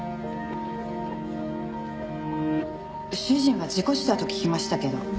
主人は事故死だと聞きましたけど。